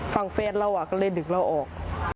ฟังเฟจเราก็เลยดึกเราออก